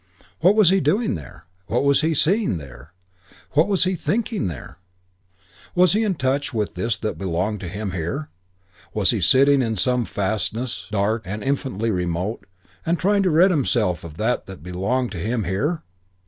What was he doing there? What was he seeing there? What was he thinking there? Was he in touch with this that belonged to him here? Was he sitting in some fastness, dark and infinitely remote, and trying to rid himself of this that belonged to him here?